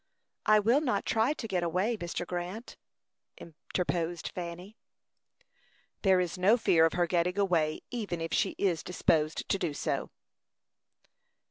"I will not try to get away, Mr. Grant," interposed Fanny. "There is no fear of her getting away, even if she is disposed to do so."